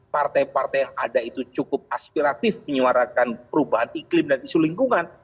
partai partai yang ada itu cukup aspiratif menyuarakan perubahan iklim dan isu lingkungan